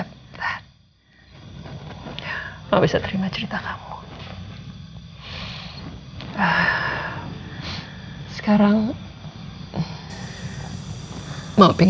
tujuan harian tapi